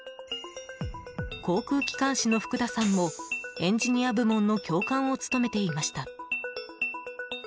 航空機関士の福田さんもエンジニア部門の教官を務めていました。